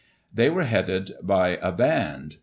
They were headed by a band.